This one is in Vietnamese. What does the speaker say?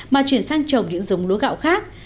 mà chuyển sang trồng những dống lúa gạo khác